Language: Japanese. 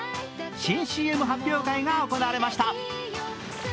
新ＣＭ発表会が行われました。